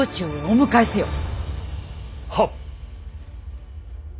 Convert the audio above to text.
はっ！